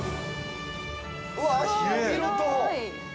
◆うわ、広々と！